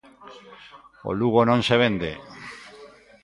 O Lugo non se vende.